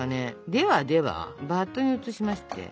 ではではバットに移しまして。